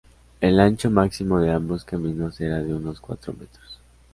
El ancho máximo de ambos caminos era de unos cuatro metros.